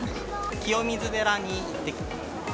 清水寺に行ってきました。